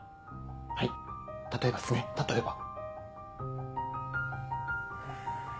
はい例えばっすね例えば。